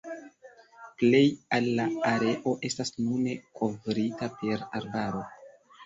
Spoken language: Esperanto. Plej el la areo estas nune kovrita per arbaro.